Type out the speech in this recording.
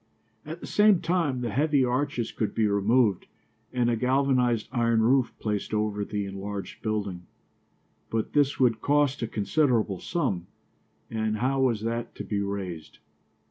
At the same time the heavy arches could be removed and a galvanized iron roof placed over the enlarged building. But this would cost a considerable sum, and how was that to be raised?